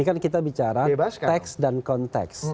ini kan kita bicara teks dan konteks